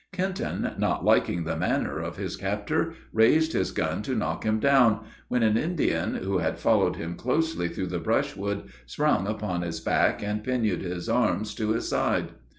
Kenton, not liking the manner of his captor, raised his gun to knock him down, when an Indian, who had followed him closely through the brushwood, sprung upon his back, and pinioned his arms to his side.